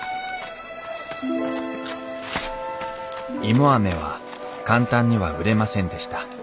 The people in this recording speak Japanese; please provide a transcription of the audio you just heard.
芋アメは簡単には売れませんでした。